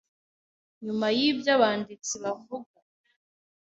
Nyuma y’ibyo abanditsi bavuga